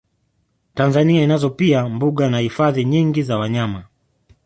Tanzania inazo pia mbuga na hifadhi nyingi za wanyama